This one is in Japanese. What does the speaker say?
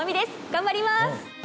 頑張ります！